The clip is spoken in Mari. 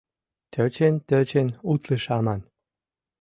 Тӧчен-тӧчен, утлыш аман.